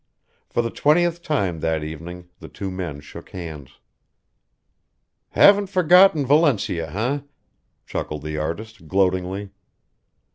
For the twentieth time that evening the two men shook hands. "Haven't forgotten Valencia, eh?" chuckled the artist, gloatingly.